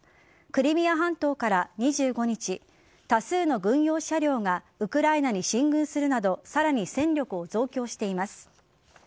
クリミア半島から２５日多数の軍用車両がウクライナに進軍するなどさらに戦力を増強しています。